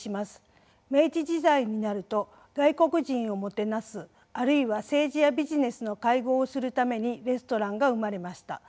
明治時代になると外国人をもてなすあるいは政治やビジネスの会合をするためにレストランが生まれました。